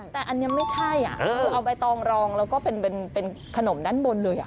แต่อันนี้ไม่ใช่คือเอาใบตองรองแล้วก็เป็นขนมด้านบนเลย